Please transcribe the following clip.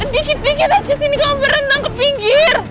dikit dikit aja sini kok berenang ke pinggir